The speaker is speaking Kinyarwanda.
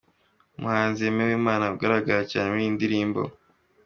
Umuhanzi Aime Uwimana ugaragara cyane muri iyi ndirimbo.